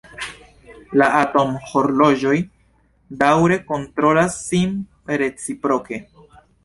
La atomhorloĝoj daŭre kontrolas sin reciproke.